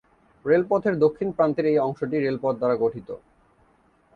রেলপথের দক্ষিণ প্রান্তের এই অংশটি রেলপথ দ্বারা গঠিত।